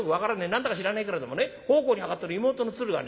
何だか知らねえけれどもね奉公に上がってる妹の鶴がね